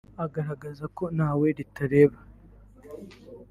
Agaragaza ko ntawe ritareba